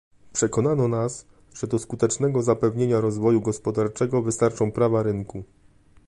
Przekonano nas, że do skutecznego zapewnienia rozwoju gospodarczego wystarczą prawa rynku